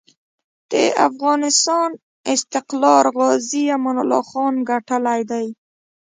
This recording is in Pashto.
د افغانسان استقلار غازي امان الله خان ګټلی دی.